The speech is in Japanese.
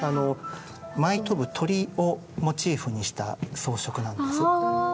舞い飛ぶ鳥をモチーフにした装飾なんです。